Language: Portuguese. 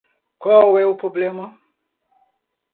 Qual é o problema?